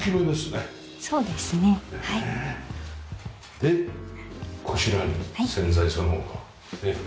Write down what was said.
でこちらに洗剤その他ねっ。